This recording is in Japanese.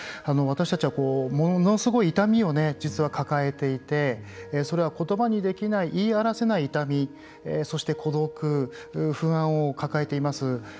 私たちは、ものすごい痛みを実は抱えていてそれは、ことばにできない言い表せない痛みそして孤独、不安を抱えています。